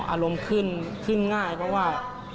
อารมณ์ขึ้นขึ้นง่ายเพราะว่า